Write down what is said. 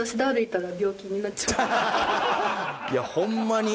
いやホンマに。